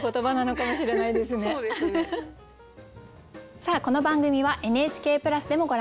さあこの番組はＮＨＫプラスでもご覧になれます。